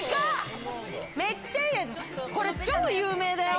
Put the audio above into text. これ、超有名だよ。